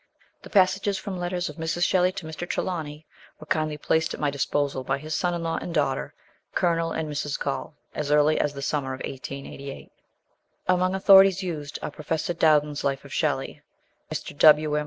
The passages from letters of Mrs. Shelley to Mr. Trelawny were kindly placed at my disposal by his son in law and daughter, Colonel and Mrs. Call, as early as the summer of 1888, 20172C5 vi PREFACE. Among authorities used are Prof. Dowden's Life of Shelley, Mr. W. M.